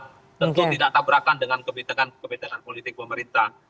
tentu tidak tabrakan dengan kebitekan kebitekan politik pemerintah